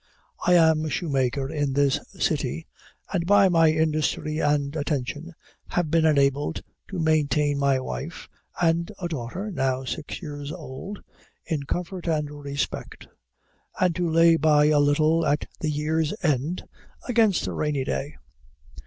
I am a shoemaker in this city, and by my industry and attention have been enabled to maintain my wife and a daughter, now six years old, in comfort and respect; and to lay by a little at the year's end, against a rainy day.